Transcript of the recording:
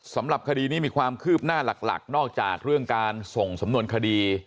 สำหรับคดีนี้มีความคืบหน้าหลักนอกจากเรื่องการส่งสำนวนคดี